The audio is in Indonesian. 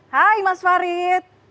hai mas farid